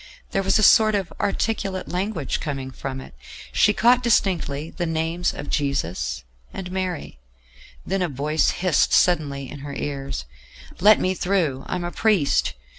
There was a sort of articulate language coming from it; she caught distinctly the names of Jesus and Mary; then a voice hissed suddenly in her ears: "Let me through. I am a priest."